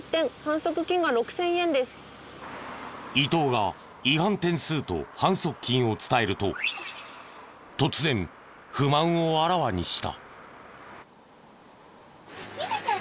伊東が違反点数と反則金を伝えると突然不満をあらわにした。